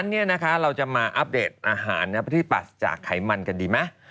เราจะมาอัปเดตอาหารประเทศปรัสจากไขมันกันดีไหม